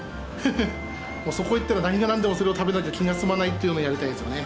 もうそこ行ったら何が何でもそれを食べなきゃ気が済まないっていうのをやりたいんですよね。